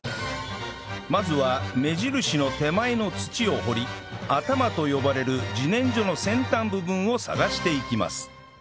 まずは目印の手前の土を掘り頭と呼ばれる自然薯の先端部分を探していきます